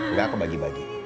enggak aku bagi bagi